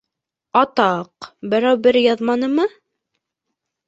Атаҡ... берәү-бер яҙманымы?